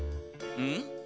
うん？